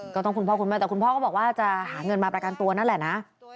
คุณพ่อคุณแม่แต่คุณพ่อก็บอกว่าจะหาเงินมาประกันตัวนั่นแหละนะ